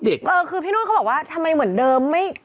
เออคือพี่นุ่นเขาบอกว่าทำไมเหมือนเดิมไม่